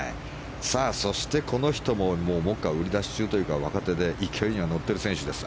そして、この人も目下売り出し中というか若手で勢いには乗っている選手です。